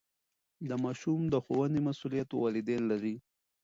د ماشوم د ښوونې مسئولیت والدین لري.